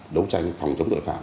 đối tranh phòng chống tội phạm